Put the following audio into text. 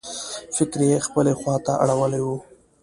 فکر یې خپلې خواته اړولی و.